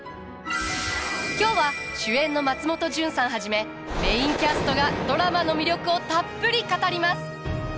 今日は主演の松本潤さんはじめメインキャストがドラマの魅力をたっぷり語ります。